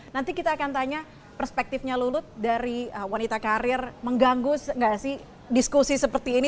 nanti kita akan tanya perspektifnya lulut dari wanita karir mengganggu nggak sih diskusi seperti ini